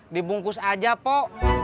dibungkus aja pok